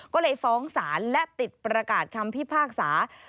ก็เลยฟ้องศาลและติดประกาศคำพิพากษา